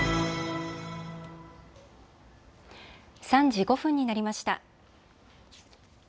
３時５分になりました。